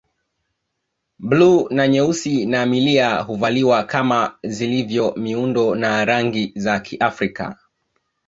Bluu na nyeusi na milia huvaliwa kama zilivyo miundo na rangi za Kiafrika